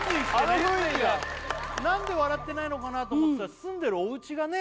あの雰囲気だ何で笑ってないのかなと思ってたら住んでるおうちがね